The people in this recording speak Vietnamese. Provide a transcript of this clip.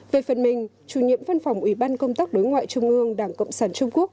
về phần mình chủ nhiệm văn phòng ủy ban công tác đối ngoại trung ương đảng cộng sản trung quốc